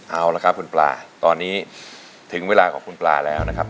เอาละครับคุณปลาตอนนี้ถึงเวลาของคุณปลาแล้วนะครับ